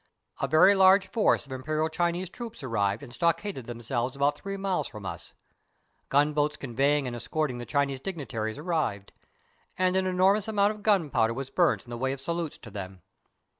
A very large force of Imperial Chinese troops arrived and stockaded themselves about three miles from us, gun boats conve>dng and escorting the Chinese dignitaries arrived, and an enormous amount of gunpowder was burnt in the way of salutes to them.